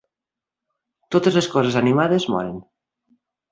Totes les coses animades moren.